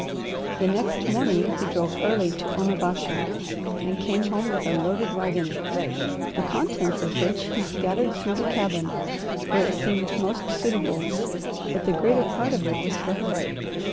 The next morning he drove early to Onabasha and came home with a loaded wagon, the contents of which he scattered through the cabin where it seemed most suitable, but the greater part of it was for her.